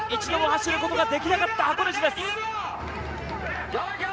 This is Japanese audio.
一度も走ることができなかった箱根路です。